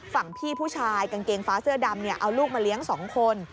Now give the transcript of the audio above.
ฝั่งพี่ผู้ชายกางเกงฟ้าเสื้อดำเอาลูกมาเลี้ยง๒คน